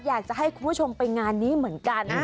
อยากจะให้คุณผู้ชมไปงานนี้เหมือนกัน